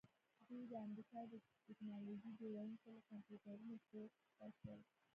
دوی د امریکا د ټیکنالوژۍ جوړونکي له کمپیوټرونو پورته شول